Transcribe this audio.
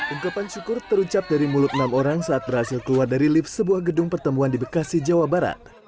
ungkapan syukur terucap dari mulut enam orang saat berhasil keluar dari lift sebuah gedung pertemuan di bekasi jawa barat